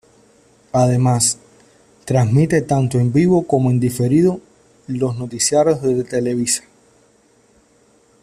Además, transmite tanto en vivo como en diferido los noticiarios de Televisa.